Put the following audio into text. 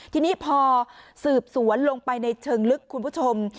ทีนี้พอสืบสวนลงไปในเชิงลึกคุณผู้ชม